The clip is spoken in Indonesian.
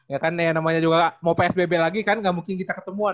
ya kan namanya juga mau psbb lagi kan gak mungkin kita ketemuan